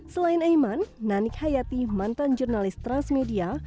selain aiman nanik hayati mantan jurnalis transmedia